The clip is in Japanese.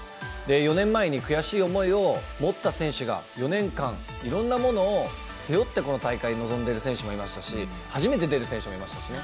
４年前に悔しい思いを持った選手が４年間、いろんなものを背負ってこの大会に臨んでる選手もいましたし初めて出る選手もいましたしね。